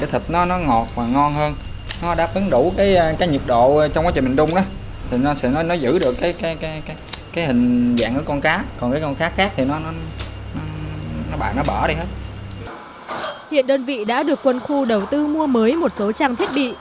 hiện đơn vị đã được quân khu đầu tư mua mới một số trang thiết bị